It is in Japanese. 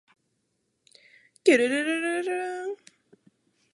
きゅるるるるるるるるんんんんんん